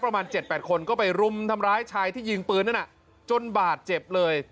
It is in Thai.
ประมาณ๗๘คนก็ไปรุมทำร้ายชายที่ยิงปืนนั่นน่ะจนบาดเจ็บเลย